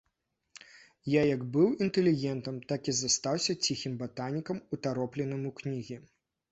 Я як быў інтэлігентам, так і застаўся ціхім батанікам, утаропленым у кнігі.